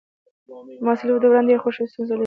د محصلۍ دوران ډېرې خوښۍ او ستونزې لري.